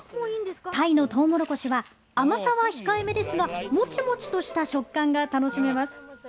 タイのとうもろこしは甘さは控えめですがモチモチとした食感が楽しめます。